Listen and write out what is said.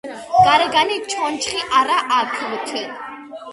გარეგანი ჩონჩხი არა აქვთ.